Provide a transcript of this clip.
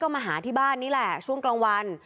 มาหาที่บ้านนี่แหละช่วงกลางวัน